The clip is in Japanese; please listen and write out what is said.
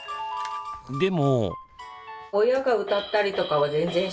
でも。